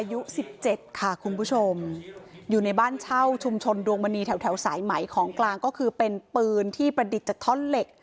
อายุสิบเจ็ดค่ะคุณผู้ชมอยู่ในบ้านเช่าชุมชนดวงมณีแถวสายไหมของกลางก็คือเป็นปืนที่ประดิษฐ์จากท่อนเหล็ก